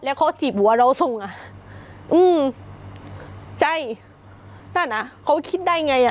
แล้วเขาถีบหัวเราทรงอ่ะอืมใจนั่นอ่ะเขาคิดได้ไงอ่ะ